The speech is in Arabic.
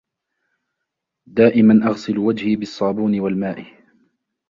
دائما أغسل وجهي بالصابون والماء.